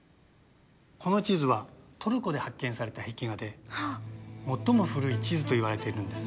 この地図はトルコで発見された壁画で最も古い地図といわれているんです。